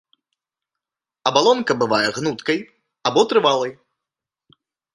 Абалонка бывае гнуткай або трывалай.